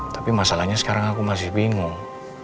tapi masalahnya sekarang aku masih bingung